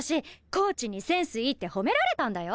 コーチにセンスいいって褒められたんだよ